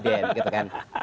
nah itu yang di presiden